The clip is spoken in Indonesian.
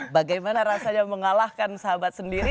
bagaimana rasanya mengalahkan sahabat sendiri